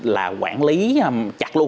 là quản lý chặt luôn